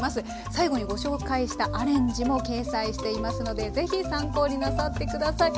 最後にご紹介したアレンジも掲載していますのでぜひ参考になさってください。